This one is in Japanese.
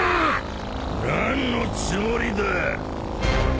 何のつもりだ。